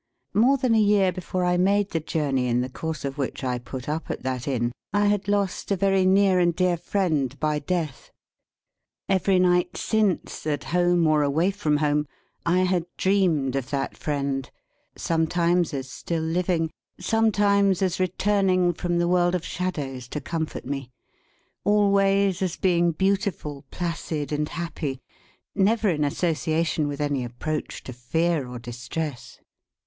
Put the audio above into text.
More than a year before I made the journey in the course of which I put up at that Inn, I had lost a very near and dear friend by death. Every night since, at home or away from home, I had dreamed of that friend; sometimes as still living; sometimes as returning from the world of shadows to comfort me; always as being beautiful, placid, and happy, never in association with any approach to fear or distress.